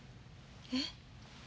えっ？